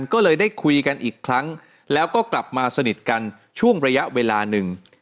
ก็เลยได้คุยกันอีกครั้งแล้วก็กลับมาสนิทกันช่วงระยะเวลาหนึ่ง